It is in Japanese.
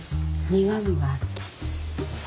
苦みがある。